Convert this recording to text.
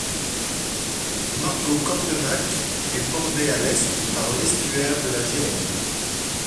Margaux-Cantenac est bordée à l'est par l'Estuaire de la Gironde.